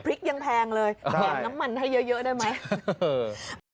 พริกยังแพงเลยบอกน้ำมันให้เยอะได้ไหม